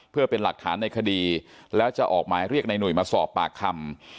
เพื่อเป็นหลักฐานในคดีแล้วจะออกหมายเรียกในหนุ่ยมาสอบปากคำ